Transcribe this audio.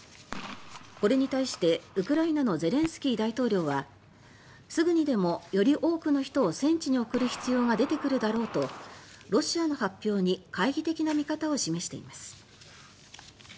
これに対してウクライナのゼレンスキー大統領はすぐにでもより多くの人を戦地に送る必要が出てくるだろうとロシアの発表に懐疑的な見方を示しています。